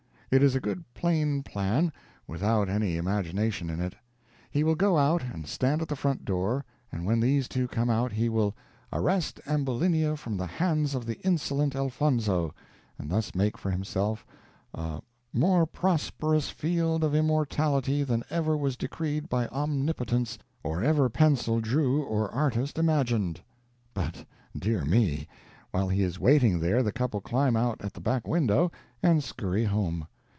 It is a good plain plan, without any imagination in it. He will go out and stand at the front door, and when these two come out he will "arrest Ambulinia from the hands of the insolent Elfonzo," and thus make for himself a "more prosperous field of immortality than ever was decreed by Omnipotence, or ever pencil drew or artist imagined." But, dear me, while he is waiting there the couple climb out at the back window and scurry home!